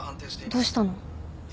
どうしたの？